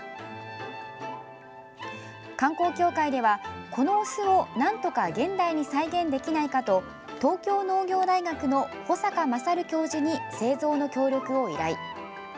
観光協会では、この酢をなんとか現代に再現できないかと東京農業大学の穂坂賢教授に製造の協力を依頼。